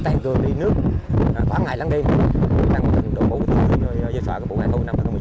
tại gần đi nước khoảng ngày lắng đêm tăng tình độ mũi dưới xóa của vụ hẻ thu năm hai nghìn một mươi chín